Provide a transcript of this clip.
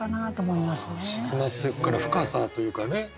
沈まってくから深さというかね